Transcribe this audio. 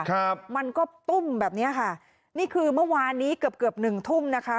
ครับมันก็ตุ้มแบบเนี้ยค่ะนี่คือเมื่อวานนี้เกือบเกือบหนึ่งทุ่มนะคะ